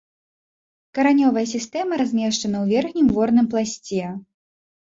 Каранёвая сістэма размешчана ў верхнім ворным пласце.